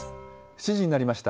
７時になりました。